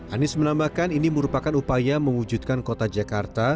anies menambahkan ini merupakan upaya mewujudkan kota jakarta